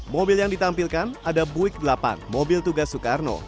mobil yang ditampilkan ada buick delapan mobil tugas soekarno